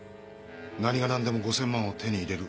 何がなんでも５，０００万円を手に入れる。